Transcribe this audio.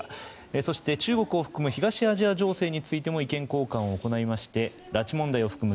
そして、中国を含む東アジア情勢についても意見交換を行いまして拉致問題を含む